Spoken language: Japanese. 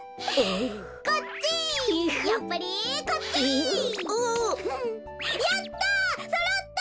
やった！